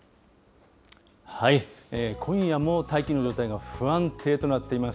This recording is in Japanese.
今夜も大気の状態が不安定となっています。